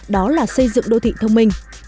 đó là xây dựng đô thị thông minh